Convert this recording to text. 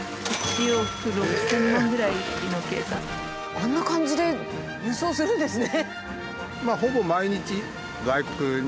あんな感じで輸送するんですね。